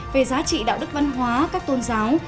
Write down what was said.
về giá trị đạo đức văn hóa các tôn giáo